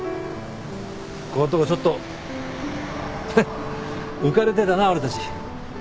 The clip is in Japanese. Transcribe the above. ここんとこちょっと浮かれてたな俺たち。